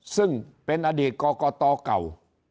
ซึ่งเป็นอดีตก่อก่อต่อเก่า